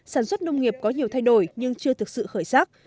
sản xuất nông nghiệp có nhiều thay đổi nhưng chưa thực sự khởi sắc